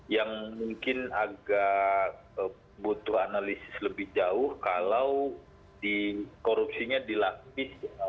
yang mungkin agak butuh analisis lebih jauh kalau di korupsinya dilapis